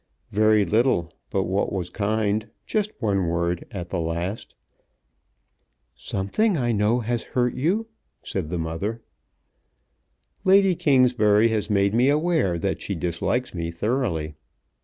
"Very little but what was kind, just one word at the last." "Something, I know, has hurt you," said the mother. "Lady Kingsbury has made me aware that she dislikes me thoroughly.